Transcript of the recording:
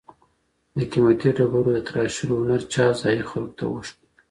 د قیمتي ډبرو د تراشلو هنر چا ځایی خلګو ته وښود؟